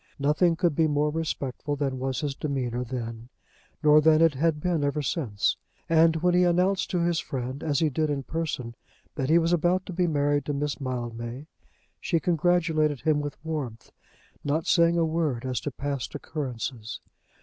Nothing could be more respectful than was his demeanour then, nor than it had been ever since; and when he announced to his friend, as he did in person, that he was about to be married to Miss Mildmay, she congratulated him with warmth, not saying a word as to past occurrences.